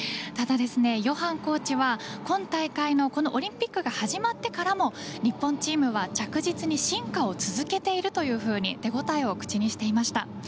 ただ、ヨハンコーチは今大会のオリンピックが始まってからも日本チームは着実に進化を続けていると手応えを口にしていました。